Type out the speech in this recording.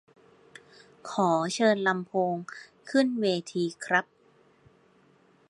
ขอเชิญลำโพงขึ้นเวทีครับ